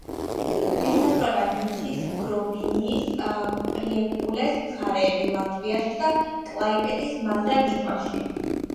ესაზღვრება ნიცის, გრობინიის, პრიეკულეს მხარეები ლატვიაში და კლაიპედის მაზრა ლიტვაში.